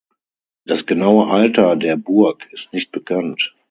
Das genaue Alter der Burg ist nicht bekannt.